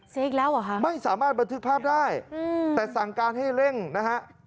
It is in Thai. อีกแล้วเหรอคะไม่สามารถบันทึกภาพได้อืมแต่สั่งการให้เร่งนะฮะ